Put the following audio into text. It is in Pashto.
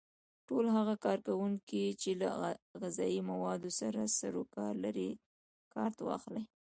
ټول هغه کارکوونکي چې له غذایي موادو سره سرو کار لري کارت واخلي.